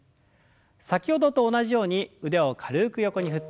先ほどと同じように腕を軽く横に振って。